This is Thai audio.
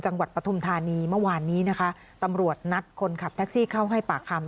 ปฐุมธานีเมื่อวานนี้นะคะตำรวจนัดคนขับแท็กซี่เข้าให้ปากคำ